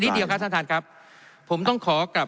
เดี๋ยวท่านพิสารผมต้องขอกลับ